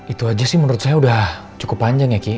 itu aja sih menurut saya sudah cukup panjang ya ki